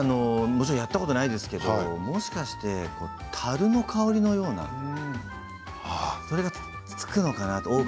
もちろんやったことないですけど、もしかしてたるの香りのようなそれがつくのかなと。